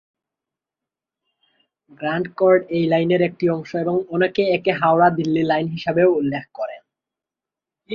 Grand Chord এই লাইনের একটি অংশ এবং অনেকে একে হাওড়া-দিল্লি লাইন হিসাবেও উল্লেখ করেন।